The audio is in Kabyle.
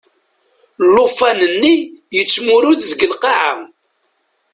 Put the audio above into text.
Llufan-nni yettmurud deg lqaɛa.